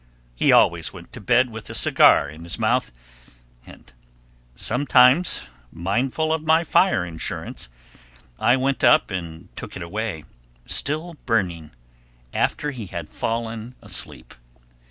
He always went to bed with a cigar in his mouth, and sometimes, mindful of my fire insurance, I went up and took it away, still burning, after he had fallen asleep.